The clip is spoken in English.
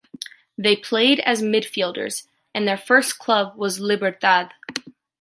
They played as midfielders and their first club was Libertad.